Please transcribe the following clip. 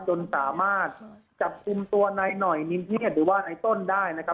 จนสามารถจับกลุ่มตัวนายหน่อยนินเฮียดหรือว่าในต้นได้นะครับ